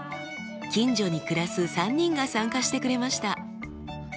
近所に暮らす３人が参加してくれました。